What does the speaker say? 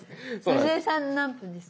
野添さん何分ですか？